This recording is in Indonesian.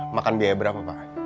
makan biaya berapa pak